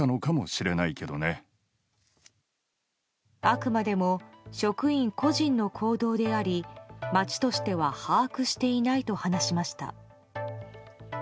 あくまでも職員個人の行動であり町としては把握していないと話しました。